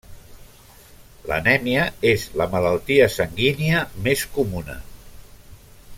L'anèmia és la malaltia sanguínia més comuna.